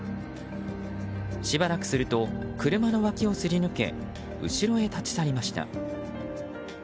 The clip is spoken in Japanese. しばらくすると車の脇をすり抜け後ろへ立ち去りました。